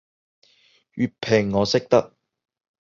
粵拼我識得